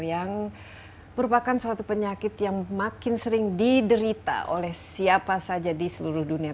yang merupakan suatu penyakit yang makin sering diderita oleh siapa saja di seluruh dunia